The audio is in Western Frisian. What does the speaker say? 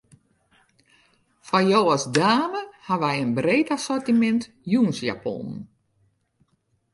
Foar jo as dame hawwe wy in breed assortimint jûnsjaponnen.